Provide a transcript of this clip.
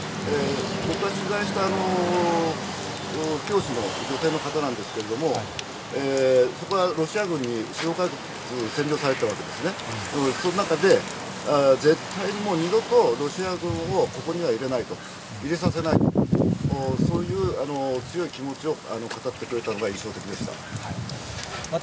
僕が取材した教師の女性の方なんですけれども、そこはロシア軍に占領されてたわけですね、その中で、絶対にもう、二度とロシア軍をここにはいれないと、入れさせないと、そういう強い気持ちを語ってくれたのが印象的でした。